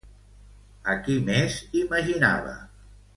A qui més imaginava?